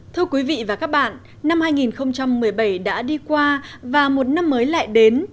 thưa quý vị và các bạn năm hai nghìn một mươi bảy đã đi qua và một năm mới lại đến